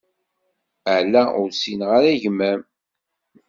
Ala, ur ssineɣ ara gma-m.